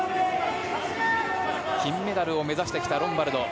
金メダルを目指してきたロンバルド。